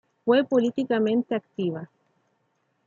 Fue políticamente activa.